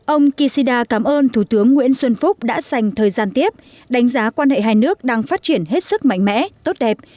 ông kishida cảm ơn thủ tướng nguyễn xuân phúc đã dành thời gian tiếp đánh giá quan hệ hai nước đang phát triển hết sức mạnh mẽ tốt đẹp